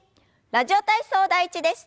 「ラジオ体操第１」です。